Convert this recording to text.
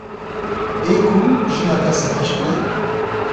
Lê ku jina te serhişk be.